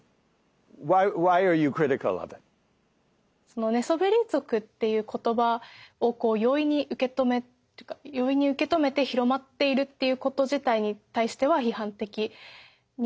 その寝そべり族っていう言葉を容易に受け止めて広まっていること自体に対しては批判的に考えています。